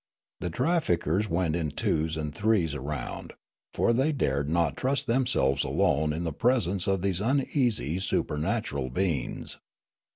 The traffickers went in twos and threes around ; for they dared not trust themselves alone in the pres ence of these uneasy supernatural beings.